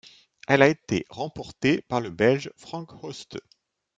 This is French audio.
Elle a été remportée par le Belge Frank Hoste.